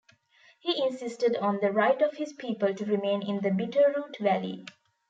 He insisted on the right of his people to remain in the Bitterroot Valley.